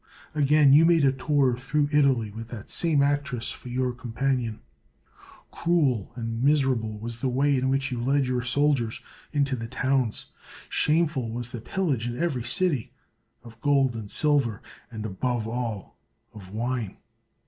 Again, you made a tour through Italy, with that same actress for your companion. Cruel and miserable was the way in which you led your soldiers into the towns ; shameful was the pil lage in every city, of gold and silver, and above all, of wine.